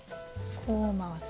こう回す。